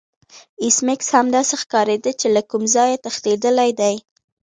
ایس میکس هم داسې ښکاریده چې له کوم ځای تښتیدلی دی